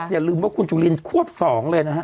อย่าลืมว่าคุณจุลินควบ๒เลยนะฮะ